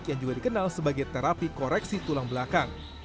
yang juga dikenal sebagai terapi koreksi tulang belakang